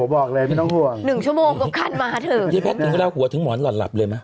บอกเลยไม่ต้องห่วงหนึ่งชั่วโมงกว่าคันมาเถอะเย้แพทย์ถึงเวลาหัวถึงหมอนหล่อนหลับเลยไหม